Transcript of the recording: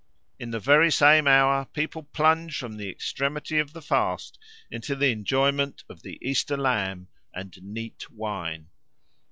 In the very same hour people plunge from the extremity of the fast into the enjoyment of the Easter lamb and neat wine."